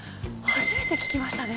初めて聞きましたね。